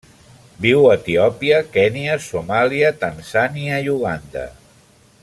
Viu a Etiòpia, Kenya, Somàlia, Tanzània i Uganda.